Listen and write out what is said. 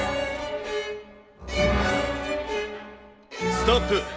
ストップ。